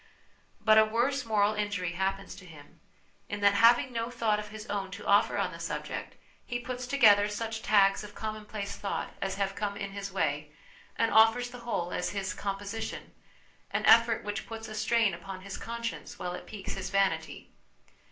But a worse moral injury happens to him in that, having no thought of his own to offer on the subject, he puts together such tags of commonplace thought as have LESSONS AS INSTRUMENTS OF EDUCATION 245 come in his way and offers the whole as his 'com position/ an effort which puts a strain upon his conscience while it piques his vanity.